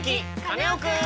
カネオくん」！